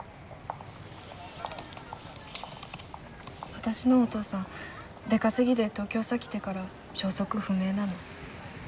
私のお父さん出稼ぎで東京さ来てから消息不明なの。